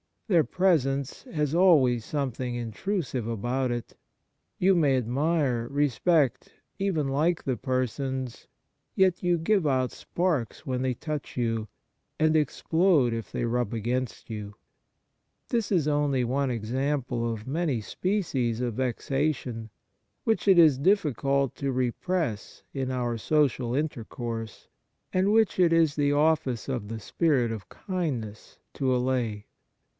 Their presence has always something intrusive about it. You may admire, respect, even like, the persons , yet you give out sparks when they touch you, and explode if they Kind Words 8i rub against you. This is only one example of many species of vexation, which it is difficult to repress in our social intercourse, and which it is the office of the spirit of kindness to allay.